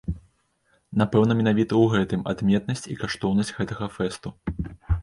Напэўна менавіта ў гэтым адметнасць і каштоўнасць гэтага фэсту.